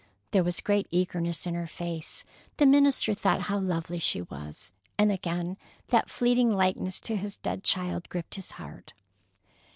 There was great eagerness in her face. The minister thought how lovely she was, and again that fleeting likeness to his dead child gripped his heart.